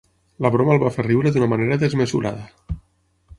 La broma el va fer riure d'una manera desmesurada.